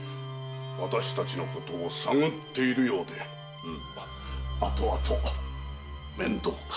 私たちのことを探っているようであとあと面倒かと。